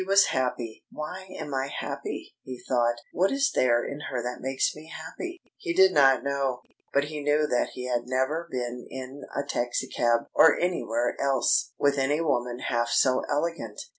He was happy. "Why am I happy?" he thought. "What is there in her that makes me happy?" He did not know. But he knew that he had never been in a taxicab, or anywhere else, with any woman half so elegant.